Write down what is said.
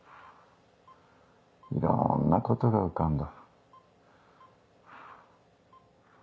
いろんなことが浮かんだ。